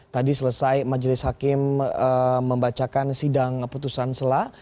tadi selesai majelis hakim membacakan sidang putusan selah